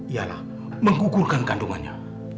ialah menggugurkan kandungannya